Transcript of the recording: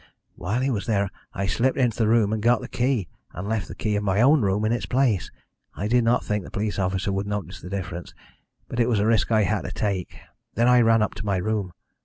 While he was there I slipped into the room and got the key, and left the key of my own room in its place. I did not think the police officer would notice the difference, but it was a risk I had to take. Then I ran up to my room.